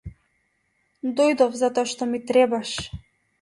Дојдов затоа што ми требаш.